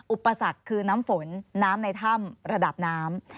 อุปสรรคคือน้ำฝนน้ำในถ้ำระดับน้ำ